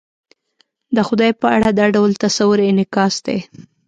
د خدای په اړه دا ډول تصور انعکاس دی.